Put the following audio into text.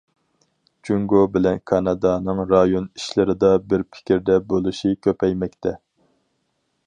جۇڭگو بىلەن كانادانىڭ رايون ئىشلىرىدا بىر پىكىردە بولۇشى كۆپەيمەكتە.